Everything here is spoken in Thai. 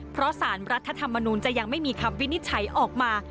เพราะสารรัฐธรรมนูลจะยังไม่มีคำวินิจฉัยออกมา